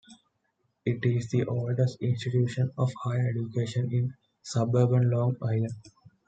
It is the oldest institution of higher education in suburban Long Island.